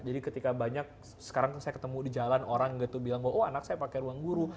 jadi ketika banyak sekarang saya ketemu di jalan orang gitu bilang bahwa anak saya pakai ruangguru